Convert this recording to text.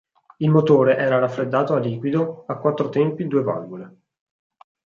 Il motore era raffreddato a liquido a quattro tempi due valvole.